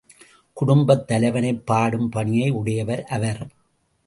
குடும்பத் தலைவனைப் பாடும் பணியை உடையவர் அவர்.